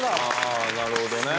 ああなるほどね。